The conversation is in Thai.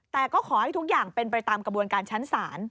แต่ก็ขอให้ทุกอย่างเป็นไปตามกระบวนการชั้นศาล